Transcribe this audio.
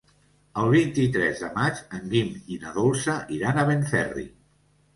El vint-i-tres de maig en Guim i na Dolça iran a Benferri.